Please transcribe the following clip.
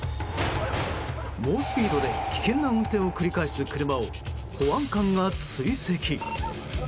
猛スピードで危険な運転を繰り返す車を保安官が追跡。